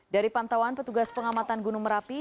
dari pantauan petugas pengamatan gunung merapi